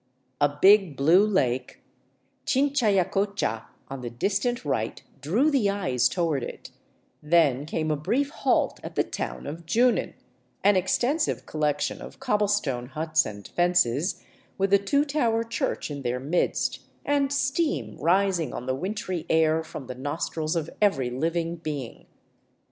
A big, blue lake, Chinchaycocha, on the distant right drew the eyes toward it; then came a brief halt at the town of Junin, an extensive collection of cobble stone huts and fences, with a two tower church in their midst and steam rising on the wintry air from the nostrils of every living being.